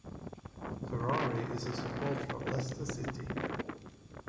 Ferrari is a supporter of Leicester City.